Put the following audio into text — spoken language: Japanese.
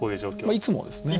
まあいつもですね。